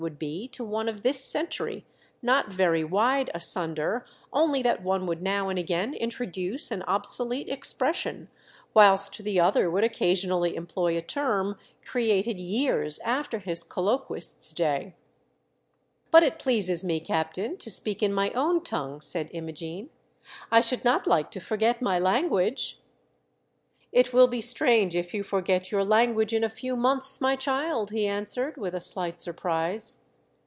would be to one of this century — not very wide asunder, only that one would now and again introduce an obsolete expression, whilst the other would occasionally employ a term created years after his colloquist's da v. THE GALE BREAKS. 205 " But it pleases me, captain, to speak in my own tongue," said Imogene. " I should not like to forget my language." " It will be strange if you forget your lan guage in a few months, my child," he answered, with a slight surprise.